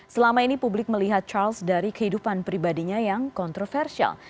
selama ini publik melihat charles dari kehidupan pribadinya yang kontroversial